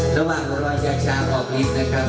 ระหว่างรอยาชาออกเล็ตนะครับ